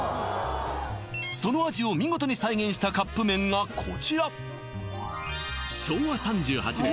その味を見事に再現したカップ麺がこちら昭和３８年